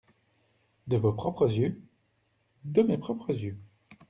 —De vos propres yeux ? —De mes propres yeux.